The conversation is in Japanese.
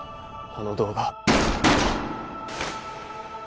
あの動画。